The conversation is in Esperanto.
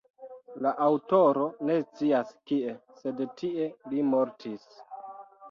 La aŭtoro ne scias kie, sed tie li mortis.